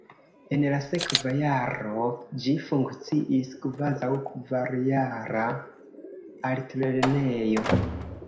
En la sekva jaro ĝi funkciis kvazaŭ kvarjara altlernejo.